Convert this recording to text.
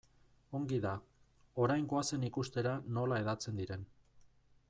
Ongi da, orain goazen ikustera nola hedatzen diren.